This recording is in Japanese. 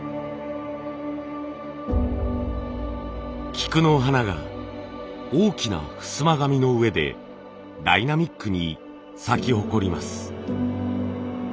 菊の花が大きなふすま紙の上でダイナミックに咲き誇ります。